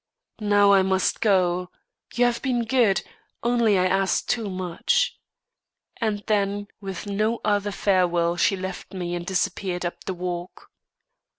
"Now, I must go. You have been good; only I asked too much." And with no other farewell she left me and disappeared up the walk.